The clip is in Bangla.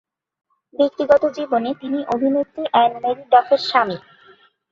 ব্যক্তিগত জীবনে তিনি অভিনেত্রী অ্যান-মারি ডাফ-এর স্বামী।